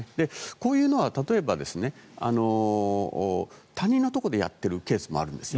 こういうのは例えば他人のところでやっているケースもあるんです。